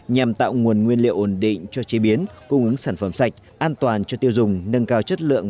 nhằm tạo nguồn nguyên liệu ổn định cho chế biến cung ứng sản phẩm sạch an toàn cho tiêu dùng nâng cao chất lượng